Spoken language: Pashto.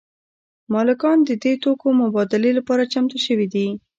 مالکان د دې توکو مبادلې لپاره چمتو شوي دي